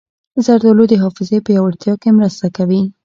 زردالو د حافظې پیاوړتیا کې مرسته کوي.